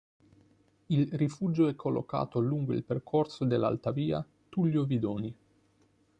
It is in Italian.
Il rifugio è collocato lungo il percorso dell'Alta Via Tullio Vidoni.